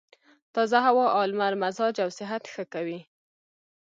تازه هوا او لمر مزاج او صحت ښه کوي.